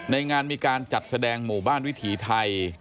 งานมีการจัดแสดงหมู่บ้านวิถีไทย